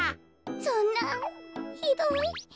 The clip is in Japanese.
そんなひどい。